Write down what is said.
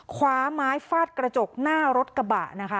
คว้าไม้ฟาดกระจกหน้ารถกระบะนะคะ